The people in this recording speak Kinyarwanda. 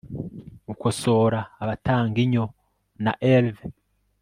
gukosora abatanga inyo na elve